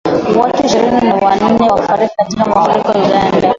Watu ishirini na nne wafariki katika mafuriko Uganda